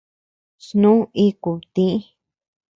Snú íʼku tï.